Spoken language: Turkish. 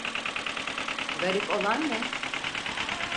Garip olan ne?